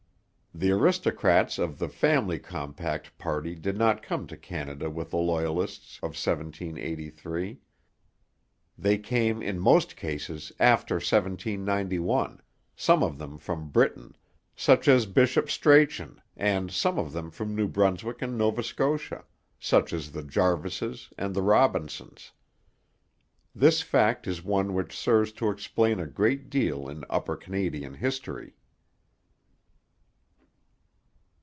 The aristocrats of the 'Family Compact' party did not come to Canada with the Loyalists of 1783; they came, in most cases, after 1791, some of them from Britain, such as Bishop Strachan, and some of them from New Brunswick and Nova Scotia, such as the Jarvises and the Robinsons. This fact is one which serves to explain a great deal in Upper Canadian history.